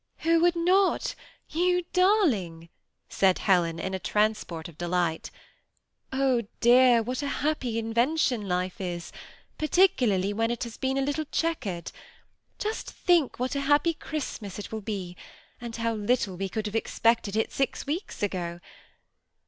" Who woald not, yon darling ?" said Helen, in a transport of delight " Oh dear I what a happy in ventioo life is, particularly when it has been a little checkered I just think what a happy Christmas it will be; and how little we could have expected it six weeks ago